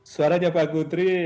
suaranya pak kudri